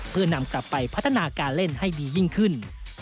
เพื่อนำกลับไปพัฒนาการเล่นให้ดียิ่งขึ้น